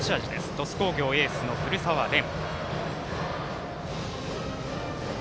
鳥栖工業エースの古澤蓮。